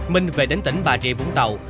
minh về đến tỉnh bà rịa vũng tàu